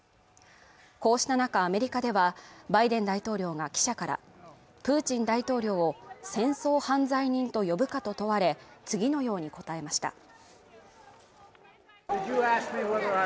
こうした中アメリカではバイデン大統領が記者からプーチン大統領を戦争犯罪人と呼ぶかと問われ次のように答えました